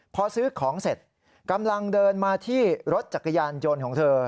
พอซื้อของเสร็จกำลังเดินมาที่รถจักรยานยนต์ของเธอ